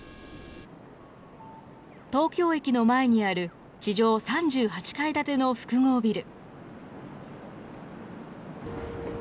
東京駅の前にある地上３８階建ての複合ビル。